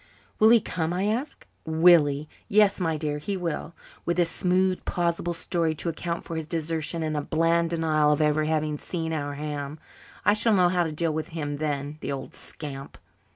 "Will he come?" I asked. "Will he? Yes, my dear, he will with a smooth, plausible story to account for his desertion and a bland denial of ever having seen our ham. I shall know how to deal with him then, the old scamp."